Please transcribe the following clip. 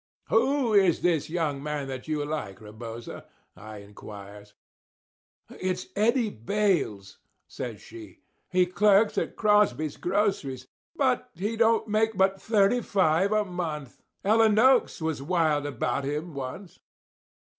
"Who is this young man that you like, Rebosa?" I inquires. "It's Eddie Bayles," says she. "He clerks in Crosby's grocery. But he don't make but thirty five a month. Ella Noakes was wild about him once."